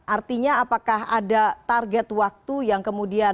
artinya apakah ada target waktu yang kemudian